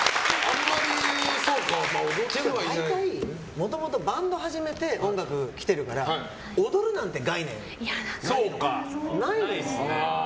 もともとバンド始めて音楽きてるから踊るなんて概念ないんですよ。